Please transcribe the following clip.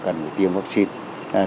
cần tiêm vaccine